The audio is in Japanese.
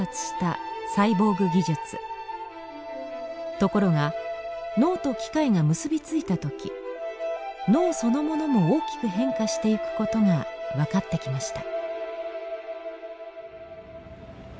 ところが脳と機械が結び付いた時脳そのものも大きく変化していくことが分かってきました。